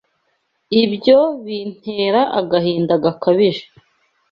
ibyo bintera agahinda gakabije